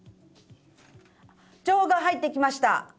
情報が入ってきました。